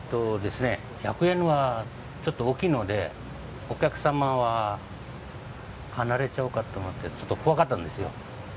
１００円はちょっと大きいのでお客様は離れちゃうかと思って怖かったんですよ。